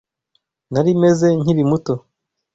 Nari meze nkiri muto.